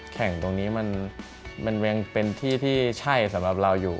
แข่งตรงนี้มันยังเป็นที่ที่ใช่สำหรับเราอยู่